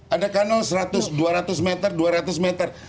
ada kanal dua ratus meter dua ratus meter